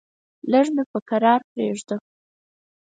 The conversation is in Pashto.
لږ مې په کرار پرېږده!